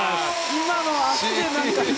今のは足で何か。